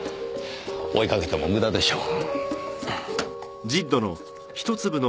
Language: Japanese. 追いかけても無駄でしょう。